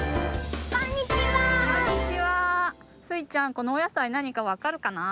このおやさいなにかわかるかな？